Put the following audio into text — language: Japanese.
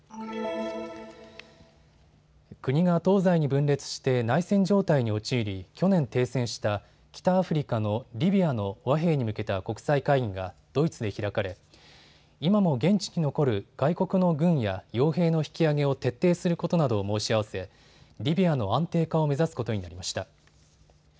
国が東西に分裂して内戦状態に陥り去年、停戦した北アフリカのリビアの和平に向けた国際会議がドイツで開かれ今も現地に残る外国の軍やよう兵の引き揚げを徹底することなどを申し合わせ、リビアの安定化を目指すことになりました。